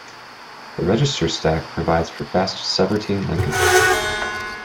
The register stack provides for fast subroutine linkage.